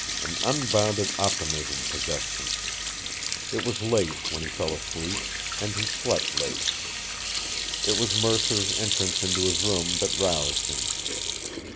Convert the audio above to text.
An unbounded optimism possessed him. It was late when he fell asleep, and he slept late. It was Mercer's entrance into his room that roused him.